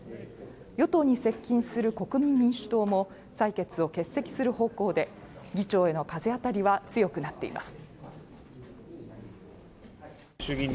与党に接近する国民民主党も採決を欠席する方向で議長への風当たりは強くなっています